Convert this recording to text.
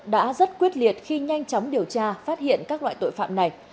đã rất quyết liệt khi nhanh chóng điều tra phát hiện các loại tội phạm này